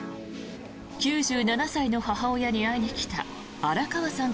９７歳の母親に会いに来た荒川さん